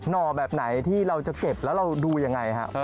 ่อแบบไหนที่เราจะเก็บแล้วเราดูยังไงครับ